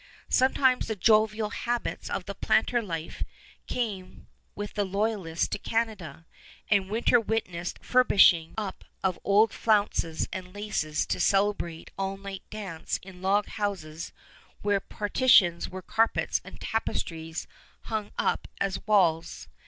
Sometimes the jovial habits of the planter life came with the Loyalists to Canada, and winter witnessed a furbishing up of old flounces and laces to celebrate all night dance in log houses where partitions were carpets and tapestries hung up as walls.